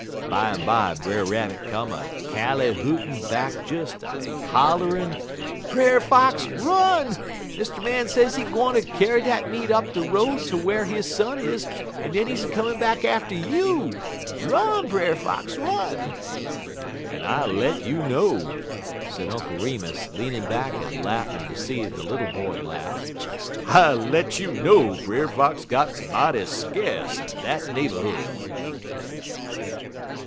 Bimeby Brer Rabbit come a cally hootin' back des a hollerin': "'Run, Brer Fox, run! Mr. Man say he gwine to kyar dat meat up de road ter whar he son is, en den he's a comin' back atter you. Run, Brer Fox, run!' "En I let you know," said Uncle Remus, leaning back and laughing to see the little boy laugh, "I let you know Brer Fox got mighty skace in dat neighborhood!"